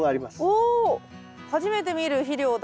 お初めて見る肥料だ。